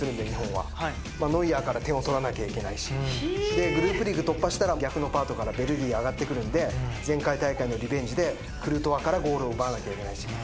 ノイアーから点を取らなきゃいけないしグループリーグ突破したら逆のパートからベルギー上がってくるんで前回大会のリベンジでクルトワからゴールを奪わなきゃいけないし。